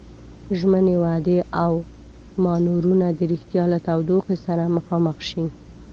ژمنې، وعدې او مانورونه د ريښتيا له تودوخې سره مخامخ شي.